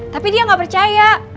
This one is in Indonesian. tapi dia gak percaya